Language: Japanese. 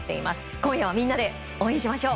今夜はみんなで応援しましょう。